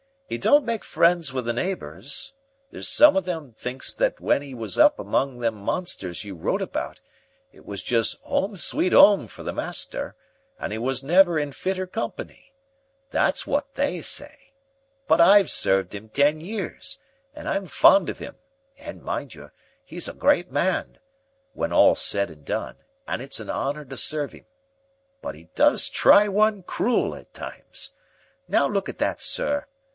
'E don't make friends with the neighbors. There's some of them thinks that when 'e was up among those monsters you wrote about, it was just ''Ome, Sweet 'Ome' for the master, and 'e was never in fitter company. That's what they say. But I've served 'im ten years, and I'm fond of 'im, and, mind you, 'e's a great man, when all's said an' done, and it's an honor to serve 'im. But 'e does try one cruel at times. Now look at that, sir.